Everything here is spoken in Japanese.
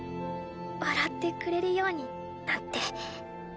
笑ってくれるようになって。